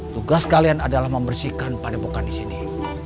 tugas kalian adalah membersihkan padepokan di sini